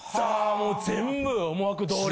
もう全部思惑通り。